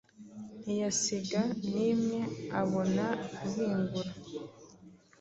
ntiyasiga n'imwe, abona guhingura